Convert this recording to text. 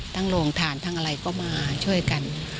ตั้งโรงฐานตั้งอะไรก็มาช่วยกัน